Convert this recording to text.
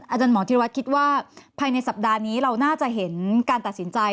อาจารย์หมอธิรวัตรคิดว่าภายในสัปดาห์นี้เราน่าจะเห็นการตัดสินใจ